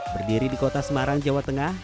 berdiri di kota semarang jawa tengah